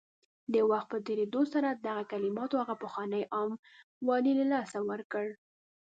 د وخت په تېرېدو سره دغه کلماتو هغه پخوانی عام والی له لاسه ورکړ